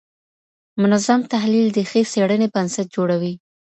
منظم تحلیل د ښې څېړني بنسټ جوړوي.